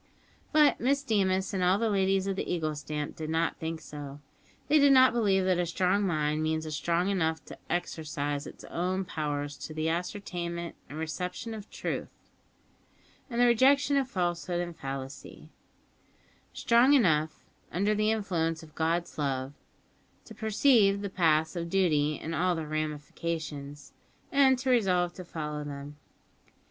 But Miss Deemas and all the ladies of the Eagle stamp did not think so. They did not believe that a strong mind means a mind strong enough to exercise its own powers to the ascertainment and reception of truth and the rejection of falsehood and fallacy; strong enough, under the influence of God's love, to perceive the paths of duty in all their ramifications, and to resolve to follow them.